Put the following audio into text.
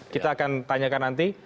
kita akan tanyakan nanti